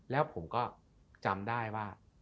แล้วผมก็จำได้ว่า